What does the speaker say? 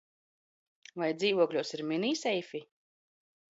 Vai dzīvokļos ir mini seifi?